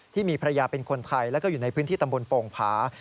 ที่มีภรรยาเป็นคนไทยแล้วก็อยู่ในพื้นที่ตำบลโป่งผา